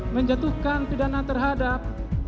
dua menjatuhkan pidana terhadap